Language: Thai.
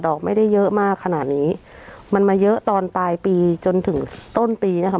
อกไม่ได้เยอะมากขนาดนี้มันมาเยอะตอนปลายปีจนถึงต้นปีนะคะ